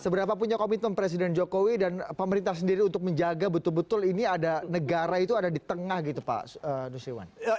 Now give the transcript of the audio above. seberapa punya komitmen presiden jokowi dan pemerintah sendiri untuk menjaga betul betul ini ada negara itu ada di tengah gitu pak nusirwan